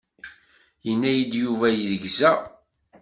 Yenna-yi-d Yuba yegza.